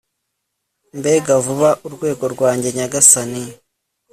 mbega vuba urwego rwanjye, nyagasani